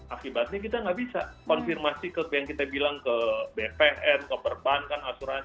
akibatnya kita tidak bisa konfirmasi yang kita bilang ke bpn ke berbankan asuransi